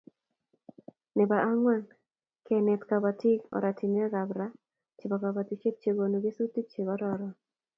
Nebo angwan kenet kobotik oratinwekab ra chebo kobotisiet chekonu kesutik che kororon